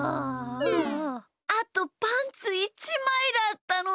あとパンツ１まいだったのに。